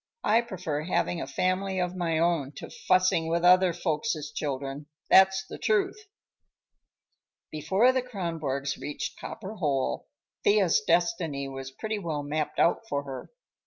I prefer having a family of my own to fussing with other folks' children, that's the truth." Before the Kronborgs reached Copper Hole, Thea's destiny was pretty well mapped out for her.